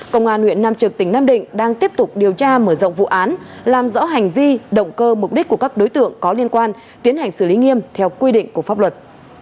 công an huyện nam trực tỉnh nam định đang tiếp tục điều tra mở rộng vụ án làm rõ hành vi động cơ mục đích của các đối tượng có liên quan tiến hành xử lý nghiêm theo quy định của pháp luật